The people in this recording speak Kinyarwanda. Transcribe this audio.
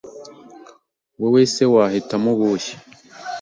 Wowe se wahitamo ubuhe